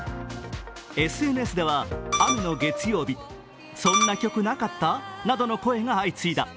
ＳＮＳでは、「雨の月曜日」、「そんな曲なかった？」などの声が相次いだ。